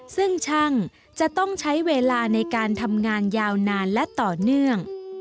ซึ่งช่างจะต้องใช้เวลาในการทำงานยาวนานและต่อเนื่อง